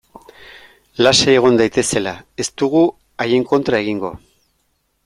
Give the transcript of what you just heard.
Lasai egon daitezela, ez dugu haien kontra egingo.